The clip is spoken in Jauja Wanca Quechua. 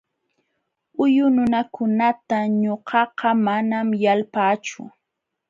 Huyu nunakunata ñuqaqa manam yalpaachu.